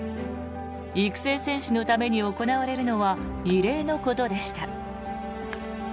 育成選手のために行われるのは異例のことでした。